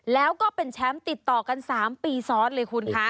แล้วก็เป็นแชมป์ติดต่อกัน๓ปีซ้อนเลยคุณคะ